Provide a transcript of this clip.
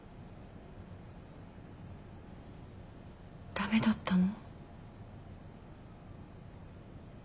駄目だったの？